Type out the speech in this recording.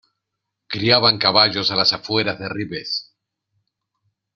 Criaban caballos a las afueras de Ribes.